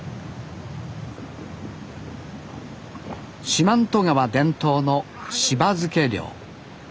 四万十川伝統の柴漬け漁。